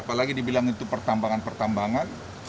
apalagi dibilang itu pertambangan pertambangan